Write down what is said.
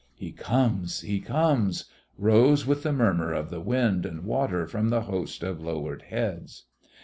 "He comes.... He comes...!" rose with the murmur of the wind and water from the host of lowered heads.